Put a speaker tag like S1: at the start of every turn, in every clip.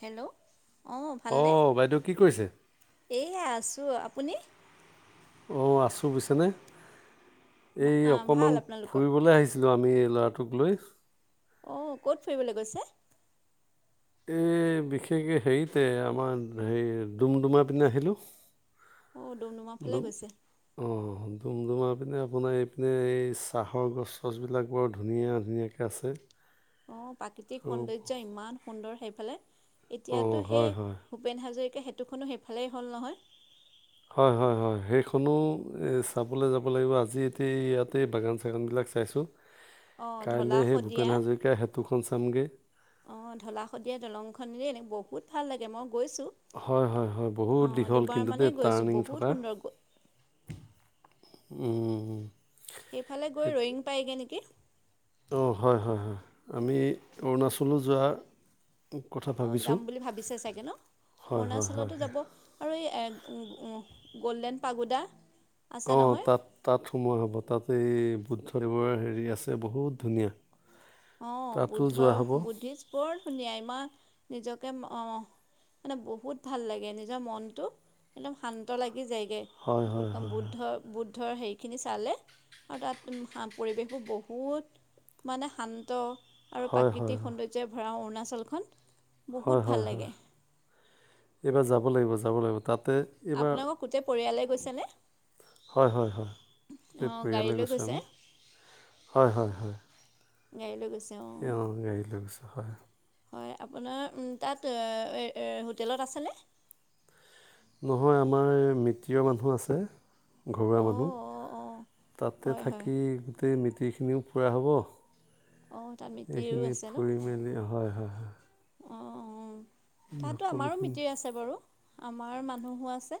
S1: Hello অঁ ভালনে?
S2: অঁ বাইদেউ কি কৰিছে
S1: এইয়া আছোঁ। আপুনি?
S2: অঁ আছোঁ বুজিছানে।
S1: ভা-
S2: এই
S1: আ, ভাল
S2: অকণমান
S1: আপোনালোকৰ
S2: ফুৰিবলৈ আহিছে। আছিলোঁ আমি এই ল'ৰাটোক লৈ।
S1: অঁ', ক'ত ফুৰিবলৈ গৈছে?
S2: এই বিশেষকৈ হেৰিতে আমাৰ হেৰি ডুমডুমা পিনে আহিলোঁ।
S1: অঁ ডুমডুমা ফালে গৈছে।
S2: অহ সেইটো বোলো আমাৰ পিনে আপোনাৰ এইপিনে এই চাহৰ গছ চছবিলাক বৰ ধুনীয়া ধুনীয়াকৈ আছে
S1: অহ প্ৰাকৃতিক
S2: আৰু
S1: সৌন্দৰ্য ইমান সুন্দৰ সেইফালে
S2: অঁ
S1: এতিয়াতো
S2: হয়
S1: সেই
S2: হয়
S1: ভূপেন হাজৰিকা সেতুখনো সেইফালেই হ'ল নহয়
S2: হয় হয় হয় সেইখনো চাবলৈ যাব লাগিব আজি এতিয়া ইয়াতে বাগান চাগানবিলাক চাইছোঁ
S1: অঁ ঢলা
S2: কাইলৈ সেই ভূপেন
S1: শদিয়া
S2: হাজৰিক সেতুখন চাম গে
S1: অঁহ ধলা শদিয়া দলংখন ৰে এনে বহুত ভাল লাগে মই গৈছোঁ
S2: হয় হয় হয় বহুত
S1: অঁ
S2: দীঘল
S1: দুবাৰ
S2: কিন্তু
S1: মানে
S2: দেই
S1: গৈছোঁ
S2: টাৰ্ণিং
S1: বহুত
S2: থকা
S1: সুন্দৰ গ-
S2: উম
S1: সেইফালে গৈ ৰয়িং পায়গে নেকি
S2: অহ হয় হয় হয় আমি অৰুণাচলত যোৱা কথা
S1: অহ
S2: ভাবিছোঁ।
S1: যাম বুলি ভাবিছে চাগে ন
S2: হয়, হয়, হয়,
S1: অৰুণাচলতো
S2: হয়।
S1: যাব আৰু উম উম এই গল্ডেন পাগোদা আছে
S2: অঁহ
S1: নহয়
S2: তাত তাত সোমোৱা হ'ব তাতেই বুদ্ধদেৱৰ হেৰি আছে বহুত ধুনীয়া
S1: অহ
S2: তাতো
S1: বুদ্ধ
S2: যোৱা হ'ব।
S1: বুদ্ধিষ বৰ ধুনীয়া ইমান নিজকে অহ মানে বহুত ভাল লাগে নিজৰ মনটো একদম শান্ত লাগি যায় গে
S2: হয়,
S1: বু
S2: হয়, হয়,
S1: বুদ্ধ বুদ্ধৰ হেৰিখিনি চালে আৰু তাত পৰিৱেশবোৰ বহুত মানে শান্ত
S2: হয়,
S1: আৰু
S2: হয়, হয়,
S1: প্ৰাকৃতিক সৌন্দৰ্যই ভৰা অৰুণাচলখন বহুত
S2: হয়
S1: ভাল
S2: হয় হয়
S1: লাগে
S2: এইবাৰ যাব লাগিব যাব লাগিব তাত
S1: আপোনালোকৰ গোটেই পৰিয়ালে গৈছে নে
S2: হয় হয় হয় গোটেই
S1: অঁ গাড়ী
S2: পৰিয়ালে
S1: লৈ
S2: গৈছোঁ
S1: গৈছে
S2: আমি হয় হয় হয়
S1: গাড়ী লৈ গৈছে অহ
S2: অহ গাড়ী লৈ গৈছো হয়
S1: হয় আপোনাৰ উম তাত হোটেলত আছেনে
S2: নহয় আমাৰ মিত্ৰীয় মানুহ আছে ঘৰুৱা
S1: অঁ
S2: মানুহ
S1: অঁ অঁ
S2: তাতে
S1: হয় হয়
S2: থাকি গোটেই মিএীখিনিও ফুৰা হ'ব
S1: অঁ তাত মিতিৰো
S2: এইখিনি ফুৰি মেলি হয় হয় হয়
S1: অহ অহ
S2: আমি
S1: তাতো আমাৰো
S2: সকলোখিনি
S1: মিএীৰ আছে বাৰু আমাৰ মানুহো আছে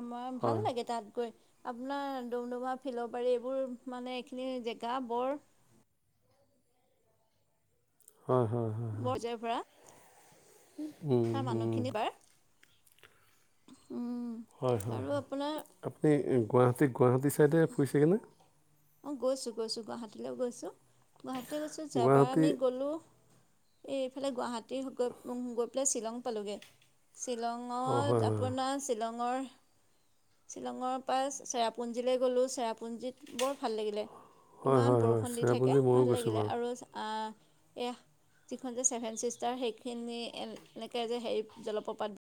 S1: আমাৰ ভাল
S2: হয়
S1: লাগে তাত গৈ আপোনাৰ ডুমডুমা ফিলবাৰী এইবোৰ মানে এইখিনি জেগা বৰ
S2: হয় হয় হয়
S1: বৰ পযাৰ্য পৰা তাৰ মানুহখিনি বাৰ উম
S2: হয় হয়
S1: আৰু আপোনাৰ
S2: আপুনি গুৱাহাটী গুৱাহাটী চাইডে ফুৰিছেগেনে
S1: অহ গৈছো গৈছো গুৱাহাটীলৈ গৈছো গুৱাহাটীলৈ গৈছো যোৱাবাৰ
S2: গুৱাহাটী
S1: আমি গ'লোঁ এই এইফালে গুৱাহাটী গৈ গৈ পেলাই শ্বিলং পালোগে
S2: অঁ
S1: শ্বিলঙত
S2: হয় হয়
S1: আপোনাৰ শ্বিলংৰ শ্বিলংৰ পৰা চেৰাপুঞ্জীলৈ গ'লোঁ চেৰাপুঞ্জীত বৰ ভাল লাগিলে
S2: হয়
S1: ইমান
S2: হয় হয়
S1: বৰষুণ দি থাকে
S2: চেৰাপুঞ্জী ময়ো
S1: ভাল
S2: গৈছোঁ
S1: লাগিলে
S2: বাৰু
S1: আৰু অহ এয়া যিখন যে ছেভেন ছিষ্টাৰ সেইখিনি এনেকে যে হেৰি জলপ্ৰবাদ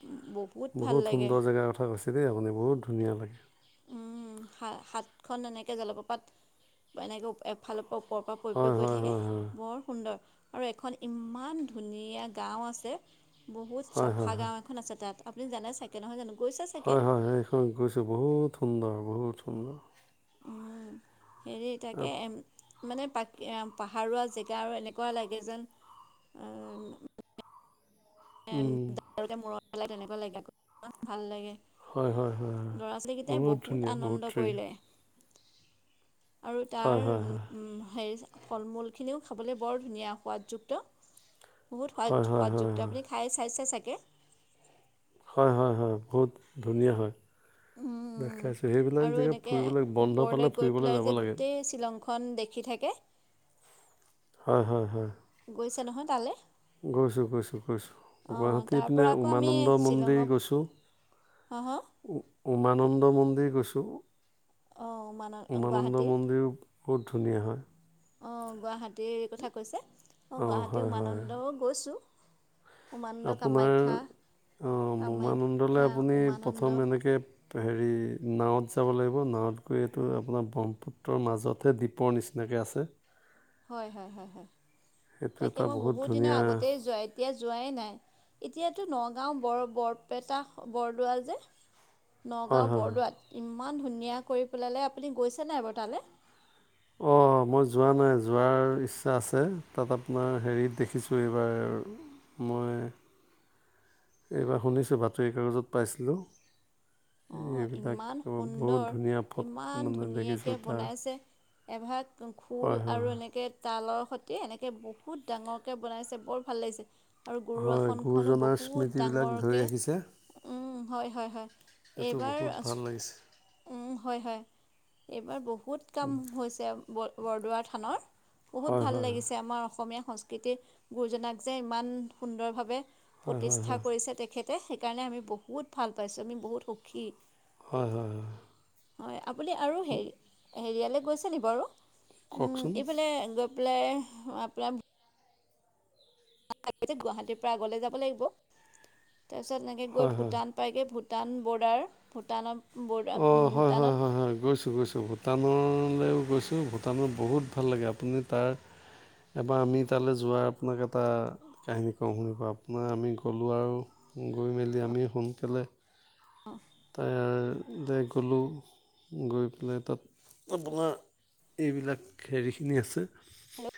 S1: ব
S2: বহুত সুন্দৰ জেগাৰ কথা কৈছে দেই আপুনি বহুত ধুনীয়া লাগে
S1: উম হাতখন এনেকে জলপ্ৰবাত এনেকে ফালৰ পৰা ওপৰৰ পৰা পৰি পৰি
S2: হয়
S1: গৈ
S2: হয়
S1: থাকে
S2: হয় হয়
S1: বৰ সুন্দৰ আৰু এখন ইমান ধুনীয়া গাওঁ আছে বহুত
S2: হয়
S1: চফা
S2: হয় হয়
S1: গাওঁ এখন কোন আছে তাত আপুনি জানে চাগে কেনেহয় জানো গৈছে চাগে
S2: হয় হয় হয় সেইখন গৈছোঁ বহুত সুন্দৰ বহুত সুন্দৰ
S1: উম হেৰি তাকে
S2: আপ-
S1: এম মানে পাক পাহাৰুৱা জেগা আৰু এনেকুৱা লাগে যেন আহ
S2: উম,
S1: মূৰত পেল তেনেকুৱা লাগে আকৌ ইমান ভাল লাগে।
S2: হয় হয় হয় হয়
S1: লৰা ছোৱালীকেইটাই বহুত আনন্দ কৰিলে। আৰু
S2: হয়
S1: তাৰ
S2: হয়
S1: হে ফল মূলখিনিও খাবলৈ বৰ ধুনীয়া সোৱাদযুক্ত বহুত
S2: হয়
S1: সোৱাদ
S2: হয় হয় হয়
S1: সোৱাদযুক্ত আপুনি খাই চাইছে চাগে
S2: হয় হয় হয় বহুত ধুনীয়া হয়। দেখাইছোঁ সেইবিলাক
S1: আৰু
S2: জেগাত
S1: এনেকৈ
S2: ফুৰিবলৈ বন্ধ পালে ফুৰিবলৈ যাব লাগে।
S1: এ শিলং খন দেখি থাকে।
S2: হয় হয় হয়
S1: গৈছে নহয় তালে?
S2: গৈছোঁ গৈছোঁ গৈছোঁ গুৱাহাটী
S1: তাৰপৰা
S2: পিনে
S1: আকৌ আমি
S2: উমানন্দ মন্দিৰ গৈছোঁ।
S1: হ হ
S2: উমানন্দ মন্দিৰ গৈছোঁ।
S1: অ উমানন্দ
S2: উমানন্দ
S1: গুৱাহাটীত
S2: মন্দিৰো বহুত ধুনীয়া হয়।
S1: অঁ গুৱাহাটীৰ কথা কৈছে অঁ গুৱাহাটী
S2: হয় হয়
S1: উমানন্দও গৈছোঁ। উমানন্দ
S2: আপোনাৰ
S1: কামাখ্যা
S2: অঁ উমানন্দলে
S1: কামাখ্যা
S2: আপুনি
S1: উমানন্দ
S2: প্ৰথম এনেকে - হেৰি নাৱত যাব লাগিব নাৱত গৈ এইটো আপোনাৰ ব্ৰহ্মপুত্ৰৰ মাজতহে দ্বীপৰ নিচিনা এনেকৈ আছে
S1: হয় হয় হয় হয়
S2: সেইটো
S1: তাকে
S2: এটা
S1: মই বহুত দিনৰ
S2: ধুনীয়া
S1: আগতেই যোৱা এতিয়া যোৱাই নাই। এতিয়াতো নগাঁও বৰ বৰপেটা বৰদোৱা যে
S2: হয়
S1: নগাঁও
S2: হয়
S1: বৰদোৱাত ইমান ধুনীয়া কৰি পেলালে আপুনি গৈছে নাই বাৰু তালে?
S2: অ মই যোৱা নাই যোৱাৰ ইচ্ছা আছে তাত আপোনাৰ হেৰিত দেখিছোঁ এইবাৰ মই এইবাৰ শুনিছোঁ বাতৰি কাগজত পাইছিলোঁ
S1: অ
S2: এইবিলাক
S1: ইমান
S2: বহুত
S1: সুন্দৰ
S2: ধুনীয়া ফট
S1: ইমান
S2: মানে
S1: ধুনীয়াকে
S2: দেখিছোঁ তাৰ
S1: বনাইছে। এভাগ খোল
S2: হয় হয়
S1: আৰু এনেকে তালৰ সৈতে এনেকে বহুত ডাঙৰকে বনাইছে বৰ ভাল লাগিছে। আৰু গুৰু
S2: হয়
S1: আসনখনো
S2: গুৰুজনাৰ
S1: বহুত
S2: স্মৃতিবিলাক ধৰি
S1: ডাঙৰকে
S2: ৰাখিছে
S1: উম হয় হয় হয়।
S2: সেইটো
S1: এইবাৰ
S2: বহুত ভাল লাগিছে
S1: হয় হয় এইবাৰ বহুত কাম হৈছে বৰদোৱা থানৰ বহুত
S2: হয়
S1: ভাল
S2: হয়
S1: লাগিছে আমাৰ অসমীয়া সংস্কৃতি, কৃতি গুৰুজনাক যে ইমান সুন্দৰভাৱে
S2: হয় হয় হয়
S1: প্ৰতিষ্ঠা কৰিছে তেখেত - সেইকাৰণে আমি বহুত ভাল পাইছোঁ আমি বহুত সুখী।
S2: হয় হয় হয়
S1: হয় আপুনি আৰু হেৰি হেৰিয়ালৈ গৈছে নি বাৰু? উ
S2: কওকচোন
S1: এইফালে গৈ পেলাই আপোনাৰ গুৱাহাটীৰ পৰা আগলৈ যাব লাগিব তাৰপিছত এনেকৈ গৈ
S2: হয় হয়
S1: ভূটান পাইকে, ভূটান বৰ্ডাৰ ভূটানৰ বৰ্ডাৰ
S2: অ, হয়, হয়,
S1: ভূটানত
S2: হয়, হয়, গৈছো গৈছো ব ভূটানলৈও গৈছোঁ, ভূটানত বহুত ভাল লাগে, আপুনি তাৰ এবাৰ আমি তালৈ যোৱাৰ আপোনাক এটা কাহিনী কওঁ, শুনিব আপোনাৰ আমি গ'লোঁ আৰু গৈ মেলি আমি সোনকালে
S1: অ',
S2: তাই এ, গ'লোঁ গৈ পেলাই, তাত আপোনাৰ এইবিলাক হেৰিখিনি আছে।
S1: হেল্ল,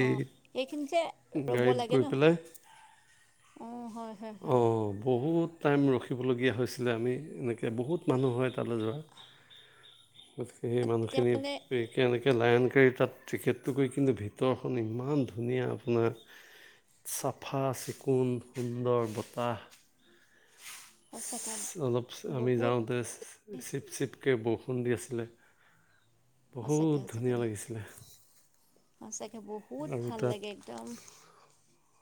S1: অ, সেইখিনি যে ৰ'ব
S2: গাড়ীত
S1: লাগে
S2: গৈ
S1: ন,
S2: পেলাই
S1: অ, হয়। হয়
S2: অ,
S1: হয়
S2: বহুত টাইম ৰখিবলগীয়া হৈছিলে, আমি এনেকৈ বহুত মানুহ হয় তালৈ যোৱা। গতিকে, সেই
S1: তেতিয়া
S2: মানুহখিনিয়ে
S1: মানে
S2: কেনেকে লায়নকাৰী তাত টিকেটতো কৰি কিন্তু ভিতৰখন ইমান ধুনীয়া আপোনাৰ। চফা, চিকণ সুন্দৰ বতাহ।
S1: সঁচাকৈ
S2: অলপ, আমি
S1: বহুত
S2: যাওঁতে চিপ- চিপকৈ বৰষুণ দি আছিলে,
S1: সঁচাকৈ
S2: বহুত ধুনীয়া লাগিছিলে।
S1: সঁচাকে ব
S2: আৰু তাত,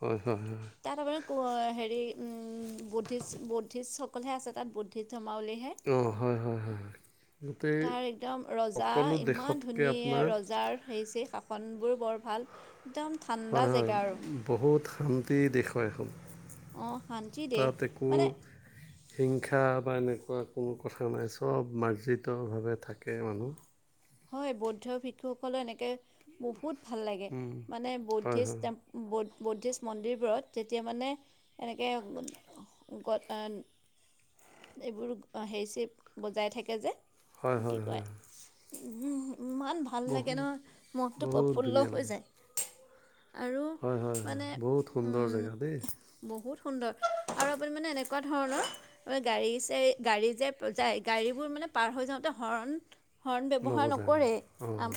S2: হয়, হয়, হয়,
S1: তাত আপোনাৰ পু, য়া, হেৰি উম, বুদ্ধিষ্ট, বুদ্ধিষ্টসকলহে আছে তাত বুদ্ধিষ্ট ধৰ্মাৱলীহে।
S2: অ, হয়, হয়, হয়, হয়। গোটেই
S1: তাৰ, একদম ৰজা
S2: সকলো
S1: ইমান
S2: দেশতকৈ
S1: ধুনীয়া
S2: আপোনাৰ
S1: ৰজাৰ হেই-চেই কা ফন, বোৰ বৰ ভাল। একদম থা
S2: হয়, হয়, বহুত শান্তি দিশ হয়, এখন।
S1: অঁ শান্তি দেশ
S2: তাত একো
S1: মানে
S2: হিংসা বা এনেকুৱা কোনো কথা নাই, চব মাৰ্জিতভাৱে থাকে মানুহ।
S1: হয়, বৌদ্ধ শিক্ষুসকলৰ এনেকে বহুত ভাল লাগে, মানে
S2: হয় হয়
S1: বৌদ্ধিচ ম ব, বুদ্ধিষ্ট মন্দিৰবোৰত যেতিয়া মানে এনেকৈ গ, এইবোৰ হেৰি-চেৰি বজাই থাকে যে।
S2: হয়, হয়, হয়,
S1: উম, ইমান ভাল লাগে ন,
S2: বহুত
S1: মনটো
S2: বহুত
S1: প্ৰফুল্ল
S2: ধুনীয়া
S1: হৈ
S2: লাগে
S1: যায়। আৰু,
S2: হয় হয় হয়
S1: মানে
S2: বহুত সুন্দৰ জেগা দেই
S1: বহুত সুন্দৰ, আৰু আপুনি মানে এনেকুৱা ধৰণৰ গাড়ী, চাহ, গাড়ী যে যায় গাড়ীবোৰ মানে পাৰ হৈ যাওঁতে হৰ্ণ হৰ্ণ, ব্যৱহাৰ
S2: নৱজাৰ
S1: নকৰে,
S2: অঁ
S1: আ,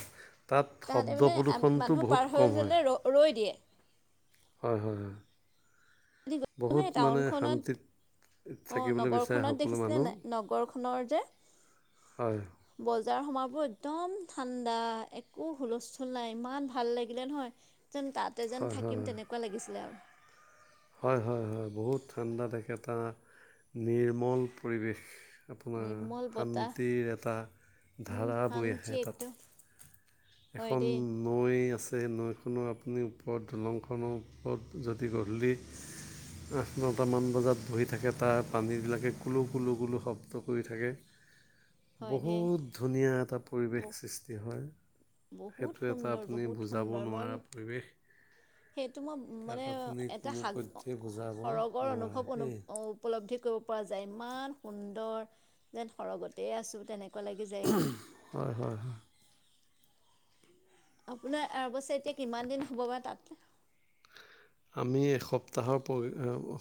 S2: তাত
S1: তেহাতে
S2: শব্দ
S1: মানে
S2: প্ৰদূষণটো
S1: মানুহ
S2: বহুত
S1: পাৰ
S2: কম
S1: হৈ
S2: হয়
S1: যোৱালে ৰ ৰৈ দিয়ে।
S2: হয়, হয়, হয়,, বহুত
S1: নহয়
S2: মানে
S1: টাউনখনত
S2: শান্তিত
S1: অ
S2: থাকিবলৈ বিচাৰে
S1: নগৰখনত
S2: সকলো
S1: দেখিছিলে
S2: মানুহ,
S1: নাই নগৰখনৰ যে
S2: হয়।
S1: বজাৰ সমাবোৰ একদম ঠাণ্ডা, একো হুলস্থুল নাই, ইমান ভাল লাগিলে নহয়। যেন, তাতে যেন
S2: হয় হয়
S1: থাকিম,
S2: হয়
S1: তেনেকুৱা লাগিছিলে আৰু।
S2: হয়, হয়, হয়, বহুত ঠাণ্ডাত একেটা, নিৰ্মল পৰিৱেশ। আপোনাৰ,
S1: নিৰ্মল বতাহ
S2: শান্তিৰ এটা
S1: উম
S2: ধাৰা বৈ
S1: শান্তি
S2: আহে তাত।
S1: একদম হয়
S2: এখন
S1: দেই
S2: নৈ আছেই নৈখনৰ আপুনি ওপৰত, দলংখনৰ ওপৰত যদি গধূলি আঠ-নটামান বজাত বহি থাকে তাত পানীবিলাকে কুলু- কুলু- কুলু, শব্দ কৰি থাকে।
S1: হয় দেই
S2: বহুত ধুনীয়া এটা
S1: ব
S2: পৰিৱেশ সৃষ্টি হয়।
S1: বহুত
S2: সেইটো এটা
S1: সুন্দৰ
S2: আপুনি
S1: বহুত
S2: বুজাব
S1: সুন্দৰ মই
S2: নোৱাৰা পৰিৱেশ
S1: সেইটো মই
S2: তাক
S1: মানে
S2: আপুনি
S1: এটা
S2: কোনো
S1: সাগ
S2: পধ্যেই বুজাব
S1: সৰগৰ
S2: নোৱাৰে
S1: অনুভৱ অনু
S2: দেই
S1: উপলব্ধি কৰিব পৰা যায় ইমান সুন্দৰ যেন সৰগতেই আছোঁ তেনেকুৱা লাগি যায়গৈ।
S2: হয়ঁ হয়ঁ হয়ঁ!
S1: আপোনাৰ অ অৱশ্যে এতিয়া কিমান দিন হ'ব বাৰু তাত
S2: আমি এসপ্তাহৰ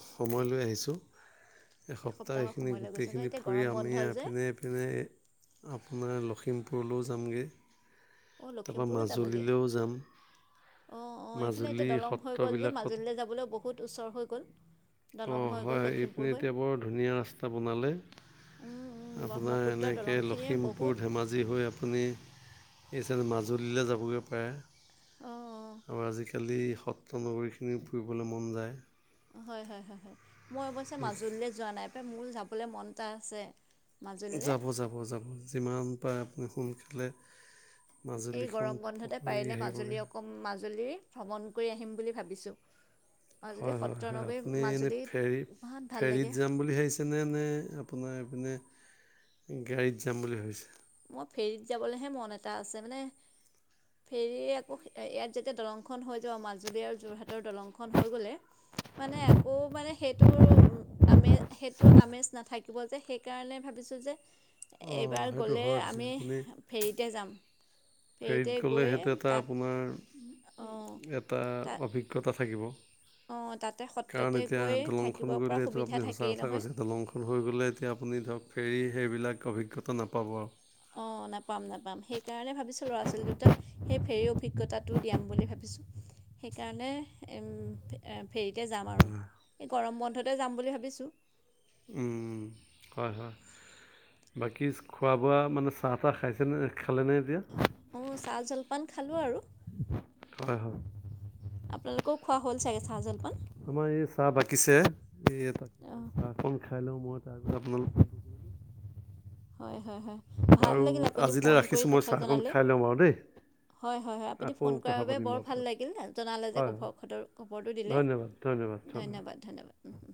S2: সময়লৈ আহিছোঁ। এসপ্তাহ
S1: এসপ্তাহৰ
S2: এইখিনি
S1: সময় লৈ গৈছে ন
S2: গোটেইখিনি
S1: এতিয়া
S2: ফুৰি
S1: গৰম
S2: আমি
S1: বন্ধ যে
S2: আপিনে। এপিনে আপোনাৰ লখিমপুৰলৈও যামগে।
S1: অঁ লখিমপুৰো যাবগে
S2: যাম
S1: অঁ অঁ এইফালে এতিয়া
S2: মাজুলী
S1: দলং হৈ গ'ল যে
S2: সত্ৰবিলাকত
S1: মাজুলীলৈ যাবলৈও বহুত ওচৰ হৈ গ'ল। দলং
S2: অঁ
S1: হৈ গ'ল
S2: হয়
S1: লখিমপুৰ
S2: এইটো
S1: হৈ
S2: এতিয়া বৰ ধুনীয়া ৰাস্তা বনালে।
S1: উম, উম,
S2: আপোনাৰ
S1: ব্ৰহ্মপুত্ৰৰ
S2: এনেকে
S1: দলংখিনিয়ে বহুত
S2: লখিমপুৰ ধেমাজি হৈ আপুনি এই চাটে মাজুলীলৈ যাবগৈ পাৰে।
S1: অ‍‌‌।
S2: আৰু আজিকালি সত্ৰ নগৰীখিনি ফুৰিবলৈ মন যায়।
S1: হয়ঁ হয়ঁ হয়ঁ হয়ঁ মই অৱশ্যে মাজুলীলৈ যোৱা নাই মোৰ যাবলৈ মন এটা আছে। মাজুলীলৈ
S2: যাব যাব যাব যিমান পাৰে আপুনি সোনকালে। মাজুলীখন পখৰি আহিবগে
S1: মাজুলীৰ ভ্ৰমণ কৰি আহিম বুলি ভাবিছোঁ। মাজুলী
S2: হয়ঁ হয়ঁ
S1: সত্ৰ
S2: হয়ঁ।
S1: নগৰী
S2: আপুনি এনেই
S1: মাজুলীত
S2: ফেৰী
S1: ইমান ভাল লাগে
S2: ফেৰীত যাম বুলি ভাবিছে? তেনেনে আপোনাৰ এইপিনে গাড়ীত যাম বুলি ভাবিছে?
S1: মই ফেৰীত যাবলেহে মন এটা আছে মানে।
S2: [unintelligible]
S1: ফেৰি আকৌ ইয়াত যেতিয়া দলংখন হৈ যাব মাজুলী আৰু যোৰহাটৰ দলংখন হৈ গ'লে। মানে আকৌ মানে সেইটো আমেজ সেইটো আমেজ নাথাকিব যে সেইকাৰণে ভাবিছো যে।
S2: [unintelligible]
S1: এইবাৰ
S2: সেইটো
S1: গ'লে
S2: হয় পিছে
S1: আমি
S2: আপুনি
S1: ফেৰীতে যাম। ফেৰীতে
S2: ফেৰীত গ'লে
S1: গৈ
S2: সেইটো এটা
S1: তাত
S2: আপোনাৰ
S1: অঁ
S2: এটা
S1: তাত
S2: অভিজ্ঞতা থাকিব।
S1: অঁ তাতে সত্ৰতে
S2: কাৰণ এতিয়া
S1: গৈ থাকিব
S2: দলংখন
S1: পৰা
S2: গলেটো
S1: সুবিধা
S2: আপুনি সঁচা
S1: থাকেই
S2: কথা
S1: নহয়
S2: কৈছে দলংখন। হৈ গ'লে এতিয়া আপুনি ধৰক ফেৰী সেইবিলাক অভিজ্ঞতা নাপাব আও
S1: অঁ নাপাম নাপাম সেইকাৰণে ভাবিছোঁ ল'ৰা ছোৱালী দুটাক। সেই ফেৰী অভিজ্ঞতাটো দিয়াম বুলি ভাবিছো। সেইকাৰণে উম ফেৰতে যাম আৰু। এই গৰম বন্ধতে যাম বুলি ভাবিছোঁ।
S2: উওম। হয়ঁ হয়ঁ! বাকী খোৱা বোৱা মানে চাহ তাহ খাইছেনে খালেনে এতিয়া?
S1: অঁ চাহ জলপান খালোঁ আৰু।
S2: হয়ঁ হয়ঁ।
S1: আপোনালোকেও খোৱা হ'ল চাগে চাহ জলপান?
S2: আমাৰ এই চাহ বাকীছে এই তাকে
S1: অঁ
S2: চাহখন খাই লওঁ মই তাৰপিছত আপোনালোক।
S1: হয়ঁ হয়ঁ হয়ঁ! ভাল
S2: বাৰু
S1: লাগিল আপুনি
S2: আজিলৈ
S1: ফোন কৰি
S2: ৰাখিছোঁ মই
S1: কথা
S2: চাহকণ
S1: জনালে।
S2: খাই লওঁ বাৰু দেই
S1: হয়ঁ হয়ঁ হয়ঁ! আপুনি
S2: আকৌ
S1: ফোন কৰাৰ
S2: কথা
S1: বাবে
S2: পাতিম
S1: বৰ
S2: বাৰু
S1: ভাল
S2: পিছত হয়
S1: লাগিল জনালে যে
S2: হয়,
S1: খবৰ খৰ খবৰটো দিলে।
S2: ধন্যবাদ ধন্যবাদ
S1: উমহুম।